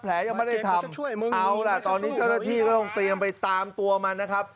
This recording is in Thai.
ยังไม่ได้ทำเอาล่ะตอนนี้เจ้าหน้าที่ก็ต้องเตรียมไปตามตัวมันนะครับ